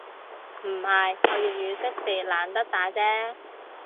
唔係，我粵語識別懶得打啫